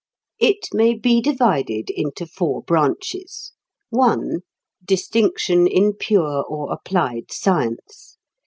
It may be divided into four branches: (1) Distinction in pure or applied science.